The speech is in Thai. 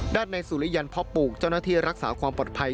ด้านในสุริยันพ่อปลูกเจ้าหน้าที่รักษาความปลอดภัย